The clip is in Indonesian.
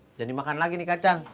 bisa dimakan lagi nih kacang